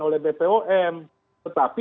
oleh bpom tetapi